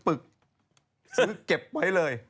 ซื้อเก็บไว้เลย